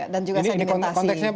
dan juga sedimentasi